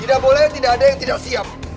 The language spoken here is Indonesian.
tidak boleh tidak ada yang tidak siap